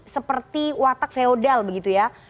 seperti watak feodal begitu ya